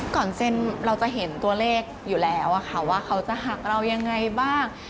ก่อนเซ็นเราจะเห็นตัวเลขอยู่แล้วค่ะว่าเขาจะหักเรายังไงบ้าง